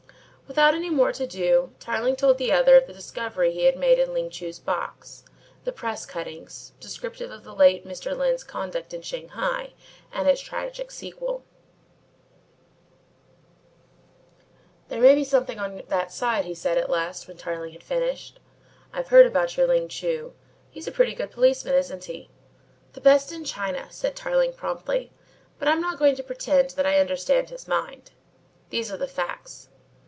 Without any more to do, Tarling told the other of the discovery he had made in Ling Chu's box, the press cuttings, descriptive of the late Mr. Lyne's conduct in Shanghai and its tragic sequel. Whiteside listened in silence. "There may be something on that side," he said at last when Tarling had finished. "I've heard about your Ling Chu. He's a pretty good policeman, isn't he?" "The best in China," said Tarling promptly, "but I'm not going to pretend that I understand his mind. These are the facts.